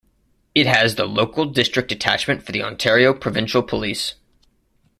It has the local district detachment for the Ontario Provincial Police.